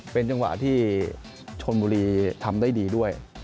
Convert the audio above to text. เป็นจังหวะที่ชนบุรีทำได้ดีด้วย